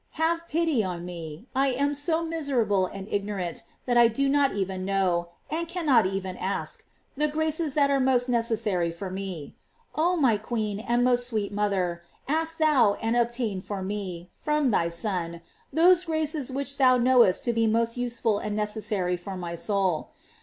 Have pity on me. I am so miserable and ignorant that I do not even know, and cannot even ask, the graces that are most necessary for me. Oh my queen and most sweet mother, ask thou and obtain for me, from thy Son, those graces which thou knowest GLOEIES OF MART. 457 to be most useful and necessary k>r my soul.